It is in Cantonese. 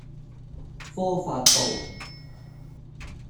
科發道